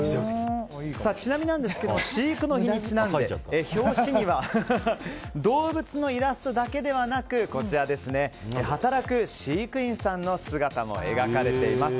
ちなみに飼育の日にちなんで表紙には動物のイラストだけではなく働く飼育員さんの姿も描かれています。